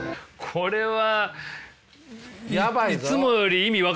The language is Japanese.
これは。